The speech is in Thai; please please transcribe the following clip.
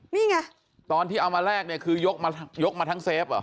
นี่ไงตอนที่เอามาแลกเนี่ยคือยกมาทั้งเฟฟเหรอ